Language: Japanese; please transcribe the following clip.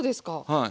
はい。